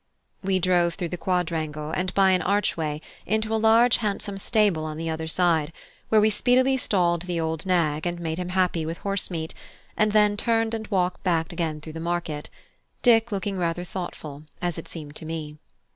We drove through the quadrangle and by an archway, into a large handsome stable on the other side, where we speedily stalled the old nag and made him happy with horse meat, and then turned and walked back again through the market, Dick looking rather thoughtful, as it seemed to me.